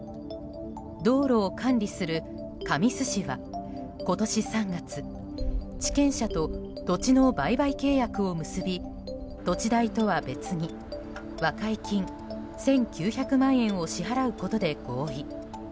道路を管理する神栖市は今年３月地権者と土地の売買契約を結び土地代とは別に和解金１９００万円を支払うことで合意。